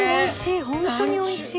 本当においしい。